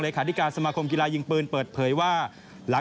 เหลศาสตร์สมาคมกีฬายิ่งปืนเปิดเผยว่า